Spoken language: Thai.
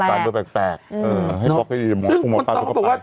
ถ่างคำเจ้าที่ถูกว่ายังไง